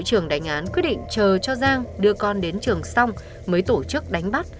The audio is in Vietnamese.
đội trưởng đánh án quyết định chờ cho giang đưa con đến trường xong mới tổ chức đánh bắt